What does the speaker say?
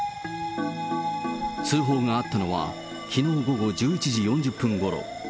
通報があったのは、きのう午後１１時４０分ごろ。